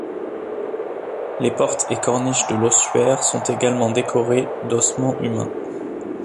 Les portes et corniches de l'ossuaire sont également décorées d'ossements humains.